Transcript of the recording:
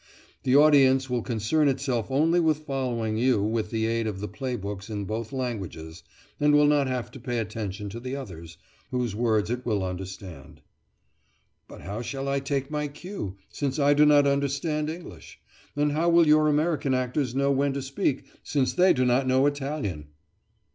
The audience will concern itself only with following you with the aid of the play books in both languages, and will not have to pay attention to the others, whose words it will understand." "But how shall I take my cue, since I do not understand English? And how will your American actors know when to speak, since they do not know Italian?"